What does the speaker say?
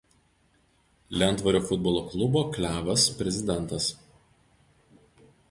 Lentvario futbolo klubo „Klevas“ prezidentas.